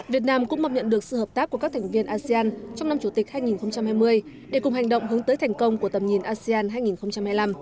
việt nam cũng mong nhận được sự hợp tác của các thành viên asean trong năm chủ tịch hai nghìn hai mươi để cùng hành động hướng tới thành công của tầm nhìn asean hai nghìn hai mươi năm